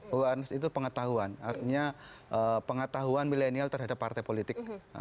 awareness itu pengetahuan artinya pengetahuan milenial terhadap partai politik